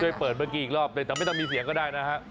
เปิดเมื่อกี้อีกรอบเลยแต่ไม่ต้องมีเสียงก็ได้นะฮะ